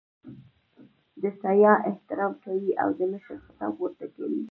د سیاح احترام کوي او د مشر خطاب ورته کوي.